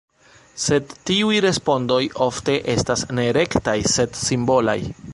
Sed tiuj respondoj ofte estas ne rektaj, sed simbolaj.